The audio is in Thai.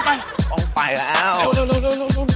อ้าวไปแล้วอ้าว